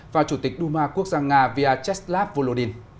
và chủ tịch duma quốc gia nga vyacheslav volodin